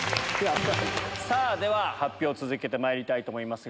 では発表続けてまいりたいと思います。